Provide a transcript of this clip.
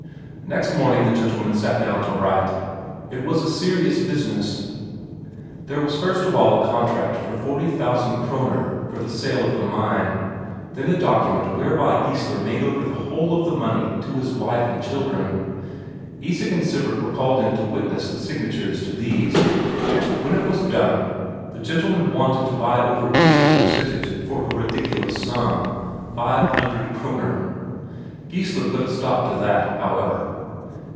Next morning the gentlemen sat down to write. It was a serious business; there was first of all a contract for forty thousand Kroner for the sale of the mine, then a document whereby Geissler made over the whole of the money to his wife and children. Isak and Sivert were called in to witness the signatures to these. When it was done, the gentlemen wanted to buy over Isak's percentage for a ridiculous sum five hundred Kroner. Geissler put a stop to that, however.